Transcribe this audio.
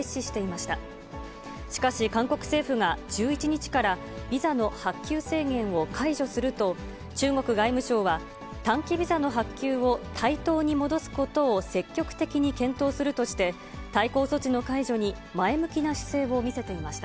しかし韓国政府が１１日からビザの発給制限を解除すると、中国外務省は、短期ビザの発給を対等に戻すことを積極的に検討するとして、対抗措置の解除に前向きな姿勢を見せていました。